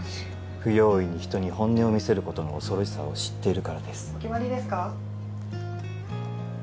不用意に人に本音を見せることの恐ろしさを知っているからです・お決まりですか？